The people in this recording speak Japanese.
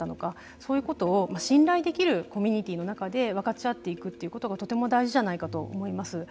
そういうことを信頼できるコミュニティーの中で分かち合っていくということがとても大事じゃないかと思います。